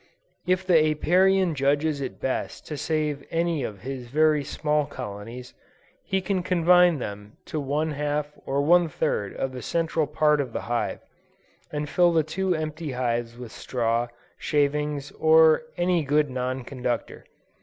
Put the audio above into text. If the Apiarian judges it best to save any of his very small colonies, he can confine them to one half or one third of the central part of the hive, and fill the two empty ends with straw, shavings, or any good non conductor.